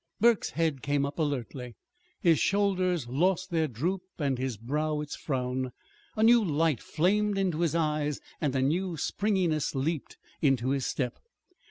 Burke's head came up alertly. His shoulders lost their droop and his brow its frown. A new light flamed into his eyes and a new springiness leaped into his step.